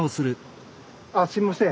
あっすいません